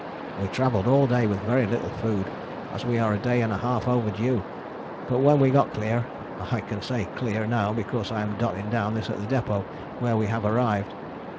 We travelled all day with very little food, as we are a day and a half overdue, but when we got clear, I can say "clear" now because I am dotting down this at the depôt where we have arrived.